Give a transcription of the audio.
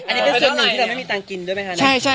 อันนี้เป็นสิ่งที่เราไม่มีเงินกินด้วยไหมฮะ